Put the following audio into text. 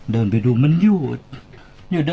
เดินไปดูมันหยุด